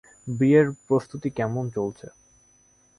বিয়ের প্রস্তুতি কেমন চলছে?